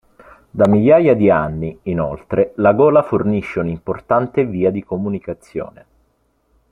Da migliaia di anni, inoltre, la Gola fornisce un'importante via di comunicazione.